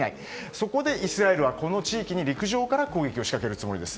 そこで、イスラエルはこの地域に陸上から攻撃を仕掛けるつもりです。